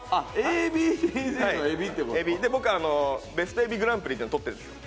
僕ベスト海老グランプリっていうのとってるんですよ。